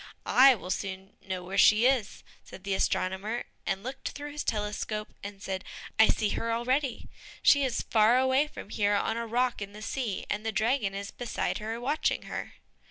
"I will soon know where she is," said the astronomer, and looked through his telescope and said, "I see her already, she is far away from here on a rock in the sea, and the dragon is beside her watching her."